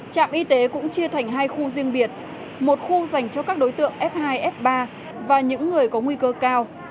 trạm y tế cũng chia thành hai khu riêng biệt một khu dành cho các đối tượng f hai f ba và những người có nguy cơ cao